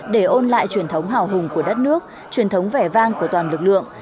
để ôn lại truyền thống hào hùng của đất nước truyền thống vẻ vang của toàn lực lượng